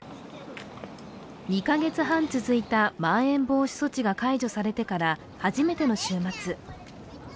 ２カ月半続いたまん延防止措置が解除されてから初めての週末。